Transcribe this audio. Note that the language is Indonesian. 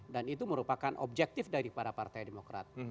dan itu merupakan objektif dari para partai demokrat